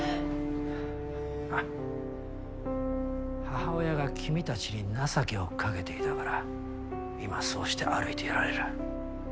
母親が君たちに情けをかけていたから今そうして歩いていられる。